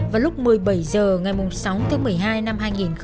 vào lúc một mươi bảy h ngày sáu tháng một mươi hai năm hai nghìn một mươi chín